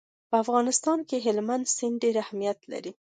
په افغانستان کې هلمند سیند ډېر اهمیت لري.